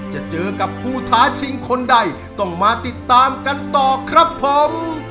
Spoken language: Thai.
จะเจอกับผู้ท้าชิงคนใดต้องมาติดตามกันต่อครับผม